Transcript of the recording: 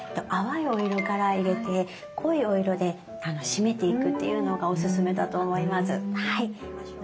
淡いお色から入れて濃いお色で締めていくっていうのがおすすめだと思います。